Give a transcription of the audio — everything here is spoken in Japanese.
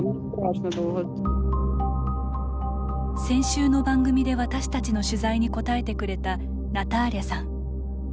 先週の番組で、私たちの取材に応えてくれた、ナターリャさん。